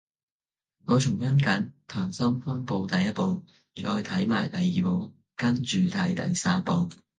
我重溫緊溏心風暴第一部，再睇埋第二部跟住睇第三部